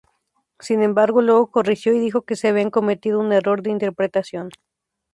Sin embargo, luego corrigió y dijo que se había cometido un error de interpretación.